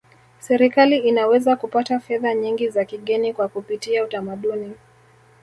serikali inaweza kupata fedha nyingi za kigeni kwa kupitia utamaduni